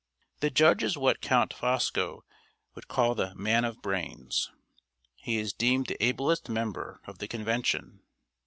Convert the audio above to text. The Judge is what Count Fosco would call the Man of Brains; he is deemed the ablest member of the Convention.